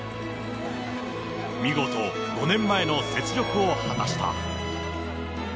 見事５年前の雪辱を果たした。